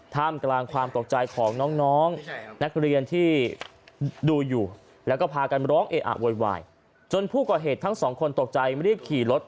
ตกใจมันเรียบขี่รถ